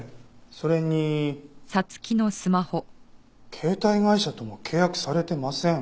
それに携帯会社とも契約されてません。